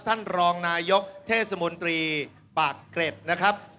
ท่านรองนายกเทศมนตรีปากเกร็ดนะครับ